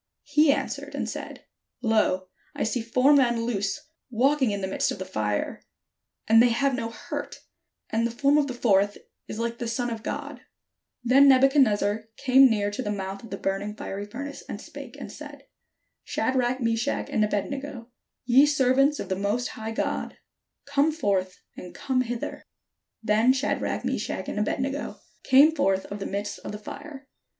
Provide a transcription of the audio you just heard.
He answered and said: "Lo, I see four men loose, walking in the midst of the fire, and they have no hurt; and the form of the fourth is like the Son of God." 504 DANIEL THE FEARLESS Then Nebuchadnezzar came near to the mouth of the burning fiery furnace, and spake, and said: "Shadrach, Meshach, and Abcd nego, ye servants of the most high God, come forth, and come hither." Then Shadrach, Meshach, and Abed nego came forth of the midst of the fire.